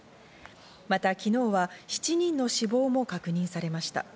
また昨日は７人の死亡も確認されました。